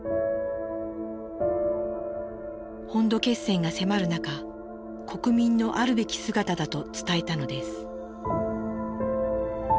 本土決戦が迫る中国民のあるべき姿だと伝えたのです。